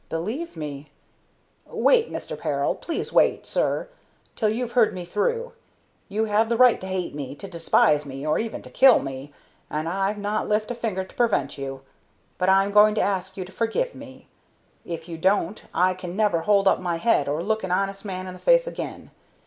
"Believe me " "Wait, Mister Peril. Please wait, sir, till you've heard me through. You have the right to hate me, to despise me, or even to kill me, and I'd not lift a finger to prevent you; but I'm going to ask you to forgive me. If you don't, I can never hold up my head or look an honest man in the face again.